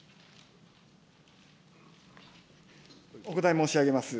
お答え申し上げます。